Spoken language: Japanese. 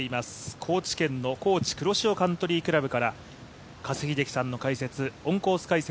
高知県のＫｏｃｈｉ黒潮カントリークラブから加瀬秀樹さんの解説オンコース解説